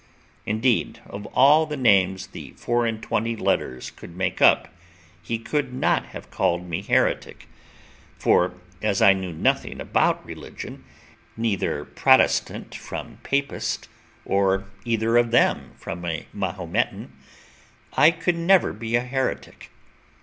Indeed, of all the names the four and twenty letters could make up, he should not have called me heretic; for as I knew nothing about religion, neither Protestant from Papist, or either of them from a Mahometan, I could never be a heretic.